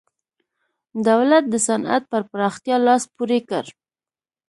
دولت د صنعت پر پراختیا لاس پورې کړ.